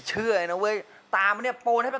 ชื่อฟอยแต่ไม่ใช่แฟง